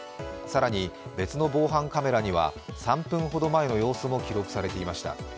更に別の防犯カメラには３分ほど前の様子も記録されていました。